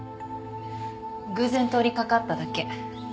偶然通りかかっただけ。